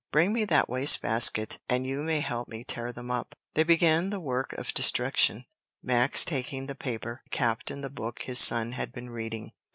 Bring me that waste basket and you may help me tear them up." They began the work of destruction, Max taking the paper, the captain the book his son had been reading.